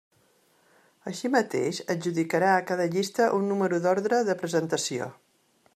Així mateix, adjudicarà a cada llista un número d'ordre de presentació.